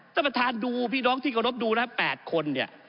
ท่านประธานดูพี่น้องที่เคารพดูนะ๘คนเนี่ย